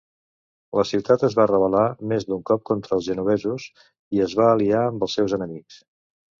La ciutat es va rebel·lar més d'un cop contra els genovesos i es va aliar amb els seus enemics.